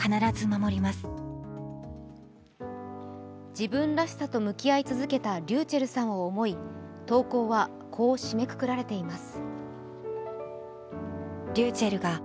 自分らしさと向き合い続けたｒｙｕｃｈｅｌｌさんを思い投稿はこう締めくくられています。